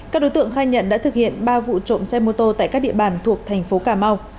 các đối tượng khai nhận đã thực hiện ba vụ trộm xe mô tô tại các địa bàn thuộc thành phố cà mau